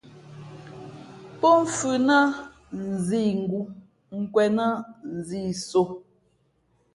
Pó mfhʉ̄ nά nzîngū nkwēn nά nzîsō .